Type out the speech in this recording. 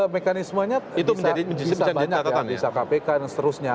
mekanismenya bisa banyak ya bisa kpk dan seterusnya